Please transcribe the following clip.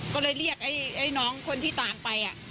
ก็เลยเรียกไอ้น้องคนที่ต่างไป